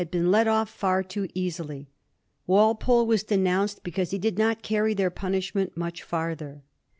xil been let off far too easily. Walpole was denounced because he did not carry their punishment much, farther.